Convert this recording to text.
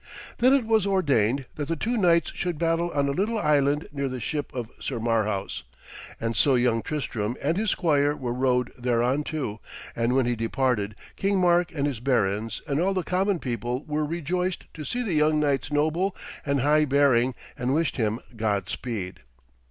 Then it was ordained that the two knights should battle on a little island near the ship of Sir Marhaus, and so young Sir Tristram and his squire were rowed thereunto, and when he departed, King Mark and his barons and all the common people were rejoiced to see the young knight's noble and high bearing, and wished him Godspeed.